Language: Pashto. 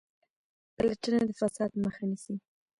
پلټنه د فساد مخه نیسي